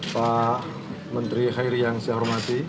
pak menteri hairi yang saya hormati